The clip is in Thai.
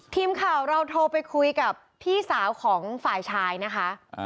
ทีมข่าวเราโทรไปคุยกับพี่สาวของฝ่ายชายนะคะ